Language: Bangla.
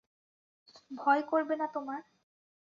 ভয় করবে না তোমার?